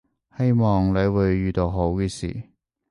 希望你會遇到好嘅事